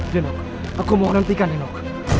denok aku mau hentikan nino